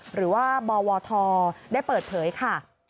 หรือว่าบวทได้เปิดเผยค่ะ